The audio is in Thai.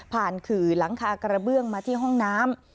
ขื่อหลังคากระเบื้องมาที่ห้องน้ำ